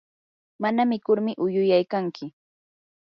mana mikurmi uyuyaykanki.